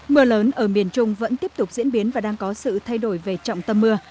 mưa lớn ở miền trung vẫn tiếp tục diễn biến và đang có sự thay đổi về trọng tâm mưa